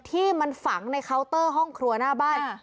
ที่มันฝังในเคาน์เตอร์ห้องครัวหน้าบ้าน